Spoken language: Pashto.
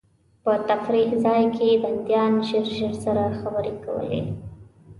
په تفریح ځای کې بندیان ژر ژر سره خبرې کولې.